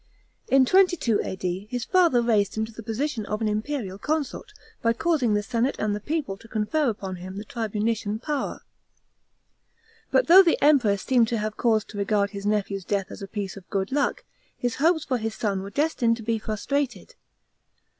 In 22 A.D. his father raised him to the position of an imperial consort, by causing the senate and people to confer upon him the tribunician power. § 12. But though the Emperor seemed to have cause to regard his nephew's death as a piece of good luck, his hopes for his son were destined to be frustrated.